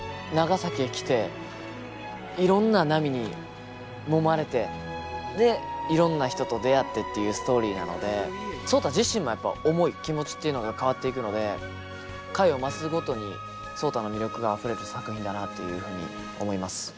長崎へ来ていろんな波にもまれてでいろんな人と出会ってっていうストーリーなので壮多自身もやっぱ思い気持ちっていうのが変わっていくので回を増すごとに壮多の魅力があふれる作品だなというふうに思います。